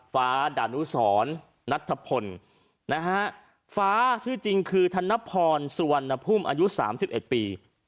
ฟ้าดานุสรนัทธพลนะฮะฟ้าชื่อจริงคือธนพรสุวรรณภูมิอายุ๓๑ปี